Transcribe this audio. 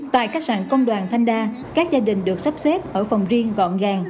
tại khách sạn công đoàn thanh đa các gia đình được sắp xếp ở phòng riêng gọn gàng